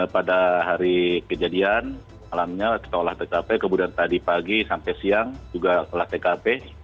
pada hari kejadian malamnya kita olah tkp kemudian tadi pagi sampai siang juga olah tkp